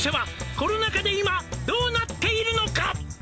「コロナ渦で今どうなっているのか」